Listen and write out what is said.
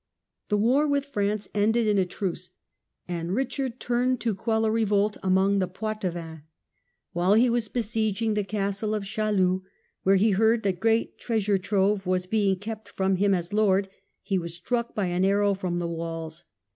The war with France ended in a truce, and Richard turned to quell a revolt among the Poitevins. While he was besieging the Castle of Chaluz, where he heard that great treasure trove was being kept from him as lord, he was struck by an arrow from the walls.